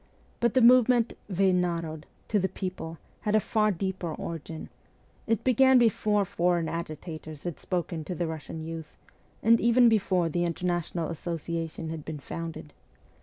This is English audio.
But the movement ' V narod ' To the people had a far deeper origin : it began before ' foreign agitators ' had spoken to the Russian youth, and even before the International Association had been founded.